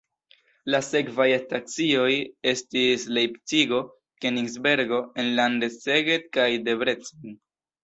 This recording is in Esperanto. La sekvaj stacioj estis Lejpcigo, Kenigsbergo, enlande Szeged kaj Debrecen.